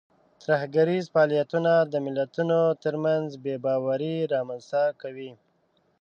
ترهګریز فعالیتونه د ملتونو ترمنځ بې باوري رامنځته کوي.